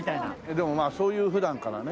でもまあそういう普段からね